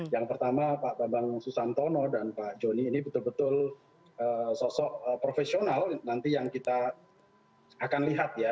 yang pertama pak bambang susantono dan pak joni ini betul betul sosok profesional nanti yang kita akan lihat ya